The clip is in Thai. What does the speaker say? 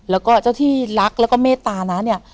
แล้วก็เจ้าที่รักแล้วก็เมตตานะเนี่ย